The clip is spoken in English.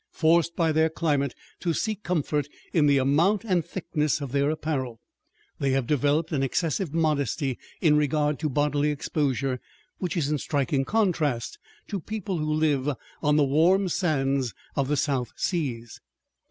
Forced by their climate to seek comfort in the amount and thickness of their apparel, they have developed an excessive modesty in regard to bodily exposure which is in striking contrast to people who live on the warm sands of the South Seas.